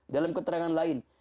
dalam keterangan lain